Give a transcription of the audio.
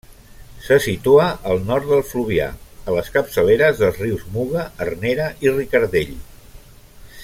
Se situa al nord del Fluvià, a les capçaleres dels rius Muga, Arnera i Ricardell.